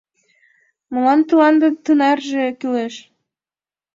— Молан тыланда тынарже кӱлеш?